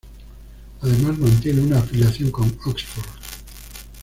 Además mantiene una afiliación con Oxford.